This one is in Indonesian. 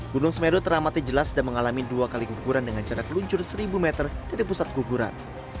gunung semeru teramati jelas dan mengalami dua kali guguran dengan jarak luncur seribu meter dari pusat guguran